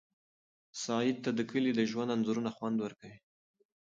سعید ته د کلي د ژوند انځورونه خوند ورکوي.